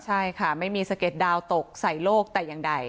ใช่ค่ะไม่มีสะเด็ดดาวตกใส่โลกแต่อย่างใด